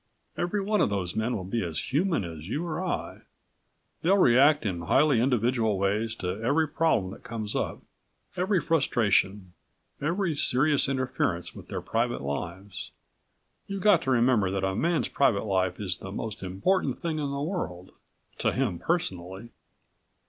Every one of those men will be as human as you or I. They'll react in highly individual ways to every problem that comes up, every frustration, every serious interference with their private lives. You've got to remember that a man's private life is the most important thing in the world to him personally.